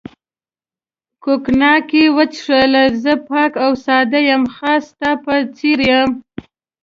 کوګناک یې وڅښل، زه پاک او ساده یم، خاص ستا په څېر یم.